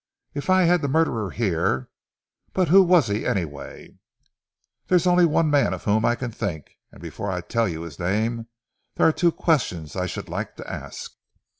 "If I had the murderer here but who was he anyway?" "There is only one man of whom I can think, and before I tell you his name there are two questions I should like to ask."